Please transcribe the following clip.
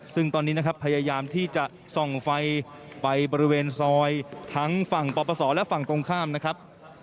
ซึ่งตอนนี้นะครับพยายามที่จะส่องไฟไปบริเวณซอยทั้งฝั่งปปศและฝั่งตรงข้ามนะครับ